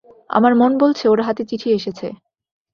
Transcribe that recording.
আমার মন বলছে ওঁর হাতে চিঠি এসেছে।